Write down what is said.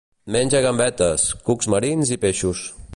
Menja gambetes, cucs marins i peixos.